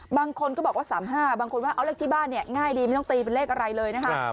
บางคนก็บอกว่า๓๕บางคนว่าเอาเลขที่บ้านเนี่ยง่ายดีไม่ต้องตีเป็นเลขอะไรเลยนะคะ